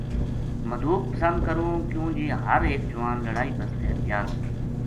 مدوک پسند کروں کیوں جی ہر ایک جوان لڑائی بسطے تیار ہووے